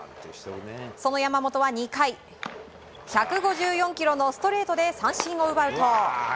その山本は２回１５４キロのストレートで三振を奪うと。